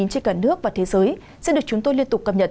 trên cả nước và thế giới sẽ được chúng tôi liên tục cập nhật